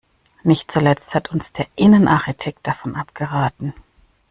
Nicht zuletzt hat uns der Innenarchitekt davon abgeraten.